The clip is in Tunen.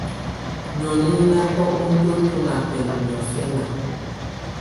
Nìóni nɛ́ ná bá úndúǝ́tɔ̀ ná bɛndɔ niɔ̀fɛna.